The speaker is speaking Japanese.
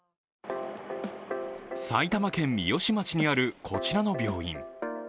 埼玉県三芳町にあるこちらの病院。